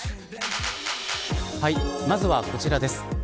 まずはこちらです。